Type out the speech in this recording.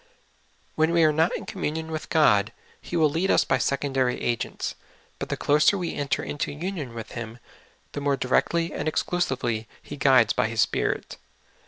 When we are not in communion with God, He will lead us by secondary agents ; but the closer we enter into union with Him, the more di rectly and exclusively He guides by His spirit.